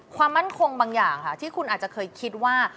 ความมั่นคงบางอย่างค่ะที่คุณอาจจะเคยคิดว่า